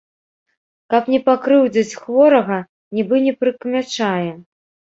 Каб не пакрыўдзіць хворага, нібы не прыкмячае.